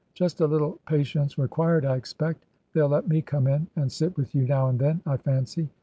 " Just a little patience required, I expect. They'll let me come in and sit with you now and then, I fancy."